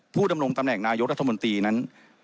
ผู้ดำรงตำแหน่งนายุทธมนตรีนั้น